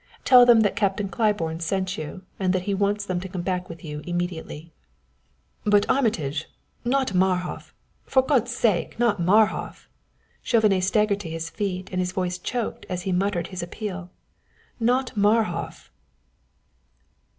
Tell them that Captain Claiborne sent you and that he wants them to come back with you immediately." "But Armitage not Marhof for God's sake, not Marhof." Chauvenet staggered to his feet and his voice choked as he muttered his appeal. "Not Marhof!"